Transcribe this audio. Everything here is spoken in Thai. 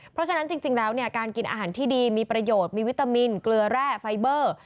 เพราะฉะนั้นจริงแล้วเนี่ยการกินอาหารที่ดีมีประโยชน์มีวิตามินเกลือแร่ไฟเบอร์